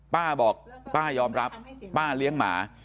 ป้าบอกป้ายอมรับป้าเลี้ยงหมา